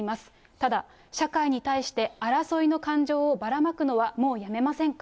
ただ、社会に対して争いの感情をばらまくのはもうやめませんか。